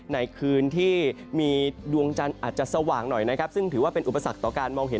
ในคืนที่มีดวงจันทร์อาจจะสว่างหน่อยนะครับซึ่งถือว่าเป็นอุปสรรคต่อการมองเห็น